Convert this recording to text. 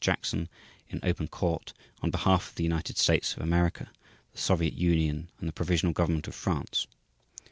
Jackson in open Court on behalf of the United States of America, the Soviet Union and the Provisional Government of France.